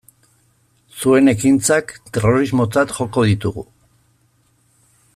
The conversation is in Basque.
Zuen ekintzak terrorismotzat joko ditugu.